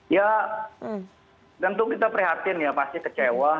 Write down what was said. ya tentu kita prihatin ya pasti kecewa